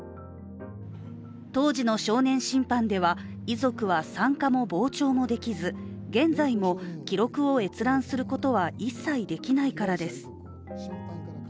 当時の少年審判では遺族は参加も傍聴もできず、現在も記録を閲覧することは一切できないからです。